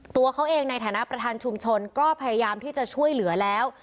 ตัวเขาเองในฐานะประธานชุมชนก็พยายามที่จะช่วยเหลือแล้ว